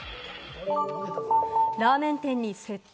ラーメン店に窃盗。